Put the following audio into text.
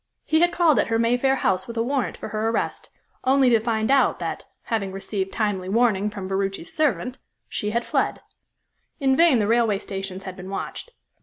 He had called at her Mayfair house with a warrant for her arrest, only to find out that having received timely warning from Ferruci's servant she had fled. In vain the railway stations had been watched.